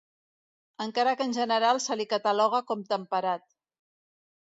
Encara que en general se li cataloga com temperat.